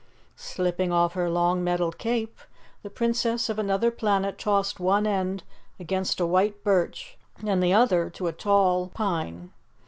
Slipping off her long metal cape, the Princess of Anuther Planet tossed one end against a white birch and the other to a tall pine.